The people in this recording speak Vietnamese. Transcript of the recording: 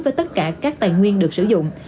với tất cả các tài nguyên được sử dụng